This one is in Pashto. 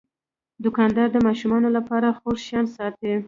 دوکاندار د ماشومانو لپاره خوږ شیان ساتي.